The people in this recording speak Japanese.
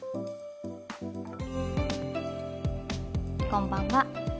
こんばんは。